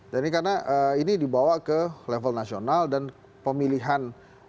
jadi karena ini dibawa ke level nasional dan pemilihan